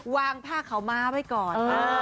วางผ้าขาวม้าไว้ก่อน